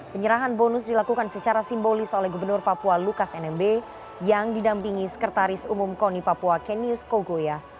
penyerahan bonus dilakukan secara simbolis oleh gubernur papua lukas nmb yang didampingi sekretaris umum koni papua kenius kogoya